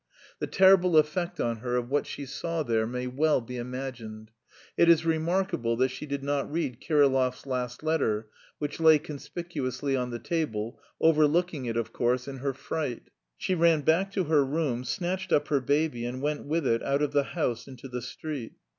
The terrible effect on her of what she saw there may well be imagined. It is remarkable that she did not read Kirillov's last letter, which lay conspicuously on the table, overlooking it, of course, in her fright. She ran back to her room, snatched up her baby, and went with it out of the house into the street.